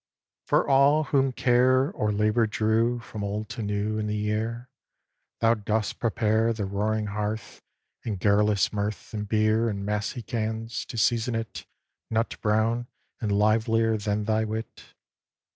For all, whom care Or labour drew From old to new In the year, Thou dost prepare The roaring hearth, And garrulous mirth, And beer In massy cans, to season it, Nut brown and livelier than thy wit.